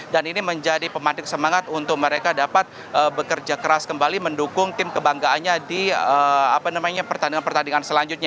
dan ini menjadi pemantik semangat untuk mereka dapat bekerja keras kembali mendukung tim kebanggaannya di pertandingan pertandingan selanjutnya